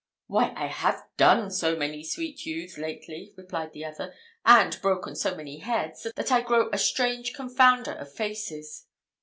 "Why, I have done so many sweet youths lately," replied the other, "and broken so many heads, that I grow a strange confounder of faces."